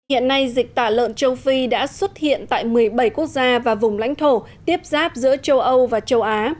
hiện nay dịch tả lợn châu phi đã xuất hiện tại một mươi bảy quốc gia và vùng lãnh thổ tiếp giáp giữa châu âu và châu á